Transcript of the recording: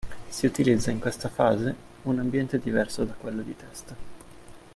Si utilizza in questa fase un ambiente diverso da quello di test.